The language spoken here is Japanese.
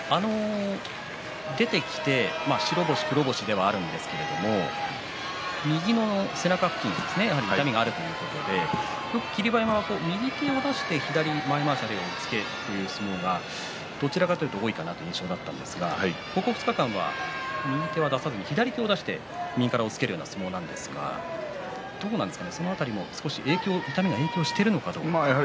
出てきて白星、黒星ではあるんですけれど右の背中付近やはり痛みがあるということで霧馬山は右手を出して左前まわし押っつけという相撲がどちらかというと多いかなという印象だったんですが、ここ２日間右手は出さずに左手を出して右から押っつけるような相撲なんですがどうなんですか。